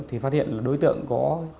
thì phát hiện là đối tượng có